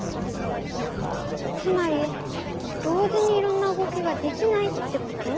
つまりどうじにいろんなうごきができないってこと？